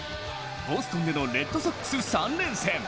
ボストンでのレッドソックス３連戦。